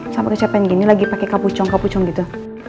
sampai kecapain gini lagi pake kapucong kapucong gitu